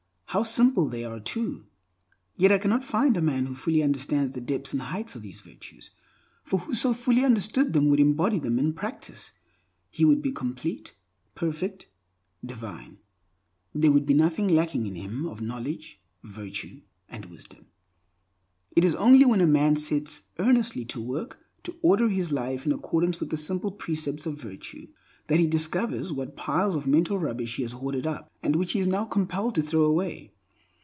How simple they are, too! Yet I cannot find a man who fully understands the depths and heights of these virtues, for who so fully understood them would embody them in practice. He would be complete, perfect, divine. There would be nothing lacking in him of knowledge, virtue, and wisdom. It is only when a man sets earnestly to work to order his life in accordance with the simple precepts of virtue, that he discovers what piles of mental rubbish he has hoarded up, and which he is now compelled to throw away.